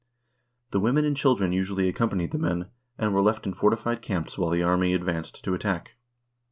The women and children usually accompanied the men, and were left in fortified camps while the army advanced to the attack.